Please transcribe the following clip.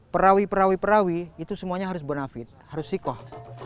perawi perawi perawi itu semuanya harus binafit harus shikoh